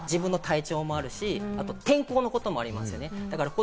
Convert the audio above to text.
例えば自分の体調もあるし、天候のこともありますね。